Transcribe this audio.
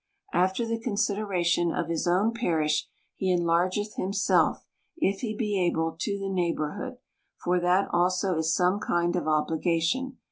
After the consideration of his own parish, he enlargeth himself, if he be able, to the neighborhood ; for that also is some kind of obligation.